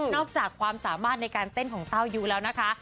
อกจากความสามารถในการเต้นของเต้ายุแล้วนะคะ